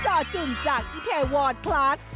จ่อจุ่มจากที่แทยวอลคลาส